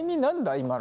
今の。